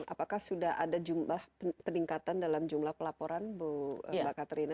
apakah sudah ada jumlah peningkatan dalam jumlah pelaporan mbak katrina